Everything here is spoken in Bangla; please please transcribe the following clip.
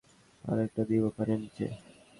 আরেকটা দিবো কানের নিচে?